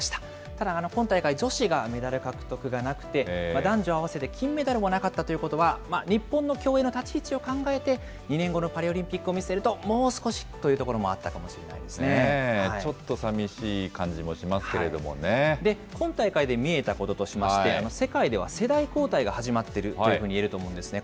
ただ、今大会、女子がメダル獲得がなくて、男女合わせて金メダルもなかったということは、日本の競泳の立ち位置を考えて、２年後のパリオリンピックを見据えるともう少しというところもあちょっとさみしい感じもしま今大会で見えたこととしまして、世界では世代交代が始まっているというふうにいえると思うんですね。